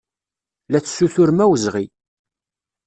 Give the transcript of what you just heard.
La tessuturem awezɣi.